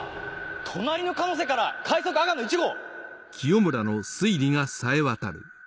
隣の鹿瀬から「快速あがの１号」！